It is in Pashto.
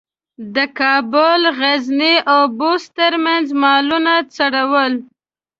د کابل، غزني او بُست ترمنځ مالونه څرول.